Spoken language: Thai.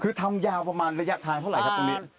คือทำยาวประมาณระยะทางเท่าไหร่ครับตรงนี้